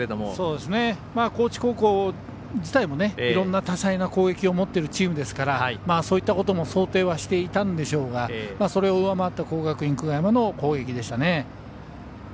高知高校自体もいろんな多彩な攻撃を持っているチームですからそういったことも想定はしていたんでしょうがそれを上回った国学院久我山の攻撃でしたね。